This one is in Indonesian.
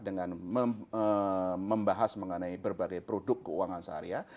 dengan membahas mengenai berbagai produk keuangan syariah